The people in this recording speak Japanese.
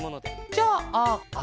じゃああ